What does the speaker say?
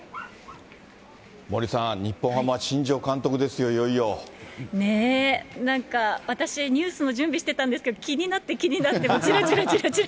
森さん、日本ハムは新庄監督ですよ、いよいよ。ねぇ、なんか私、ニュースの準備してたんですけれども、気になって気になって、もうちらちらちらちら。